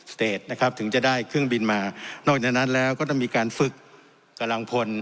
เตจนะครับถึงจะได้เครื่องบินมานอกจากนั้นแล้วก็ต้องมีการฝึกกำลังพล